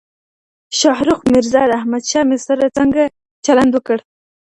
شاهرخ میرزا د احمد شاه سره څنګه چلند وکړ؟